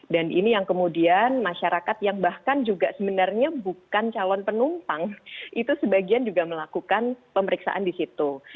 dan ini yang kemudian masyarakat yang bahkan juga sebenarnya bukan calon penumpang itu sebagian juga melakukan pemeriksaan di situ